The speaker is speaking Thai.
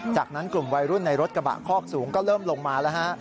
จากนั้นกลุ่มวัยรุ่นในรถกระบะคอกสูงก็เริ่มลงมาแล้วฮะ